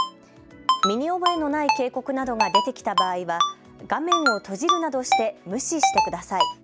身に覚えのない警告などが出てきた場合は画面を閉じるなどして無視してください。